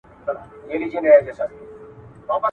چی لېوه او خر له کلي را گوښه سول !.